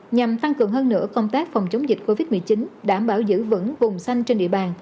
nhằm tăng cường hơn nữa công tác phòng chống dịch covid một mươi chín đảm bảo giữ vững vùng xanh trên địa bàn